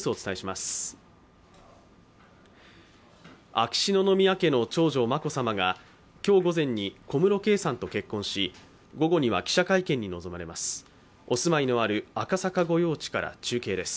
秋篠宮家の長女・眞子さまが今日午前に小室圭さんと結婚し、午後には記者会見に臨まれます。